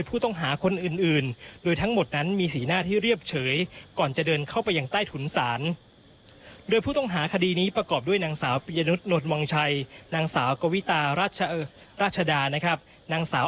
พาคุณผู้ชมไปดูบรรยากาศ